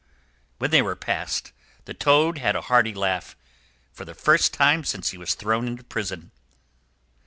When they were past, the Toad had a hearty laugh—for the first time since he was thrown into prison.